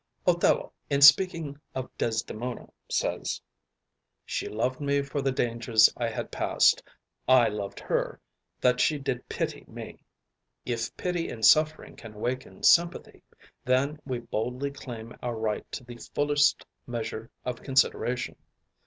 Othello, in speaking of Desdemona, says, "She loved me for the dangers I had passed, I loved her that she did pity me." If pity and suffering can awaken sympathy, then we boldly claim our right to the fullest measure of consideration.